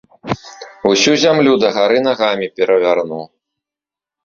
Усю зямлю дагары нагамі перавярну!